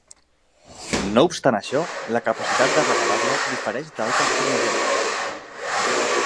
No obstant això, la capacitat de reparar-la difereix d'altres cromosomes.